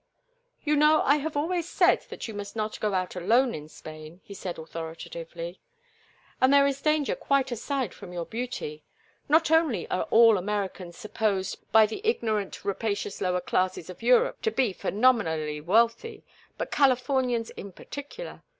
"You know I have always said that you must not go out alone in Spain," he said, authoritatively. "And there is danger quite aside from your beauty. Not only are all Americans supposed by the ignorant, rapacious lower classes of Europe to be phenomenally wealthy, but Californians in particular.